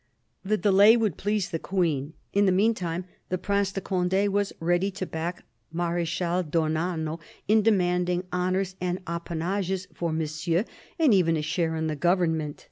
The delay would please the Queen ; in the meantime the Prince de Cond6 was ready to back Mar6chal d'Ornano in demanding honours and appanages for Monsieur and even a share in the government.